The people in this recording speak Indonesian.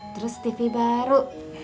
terus tv baru